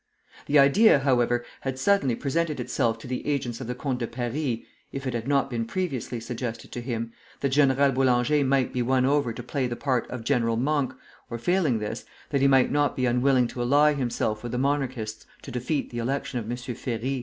The idea, however, had suddenly presented itself to the agents of the Comte de Paris (if it had not been previously suggested to him) that General Boulanger might be won over to play the part of General Monk, or failing this, that he might not be unwilling to ally himself with the Monarchists to defeat the election of M. Ferry.